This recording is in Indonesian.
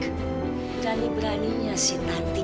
berani beraninya si tanti